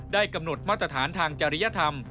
กำหนดมาตรฐานทางจริยธรรม